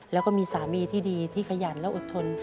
แล้วก็มีสามีที่ดีที่ขยันและอดทน